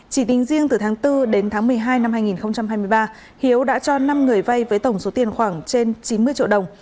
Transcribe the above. chỉ tính riêng từ tháng bốn đến tháng một mươi hai năm hai nghìn hai mươi ba hiếu đã cho năm người vay với tổng số tiền khoảng trên chín mươi triệu đồng